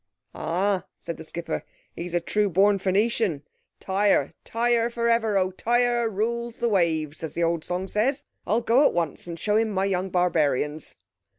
"Ah," said the skipper, "he's a true born Phoenician. 'Tyre, Tyre for ever! Oh, Tyre rules the waves!' as the old song says. I'll go at once, and show him my young barbarians."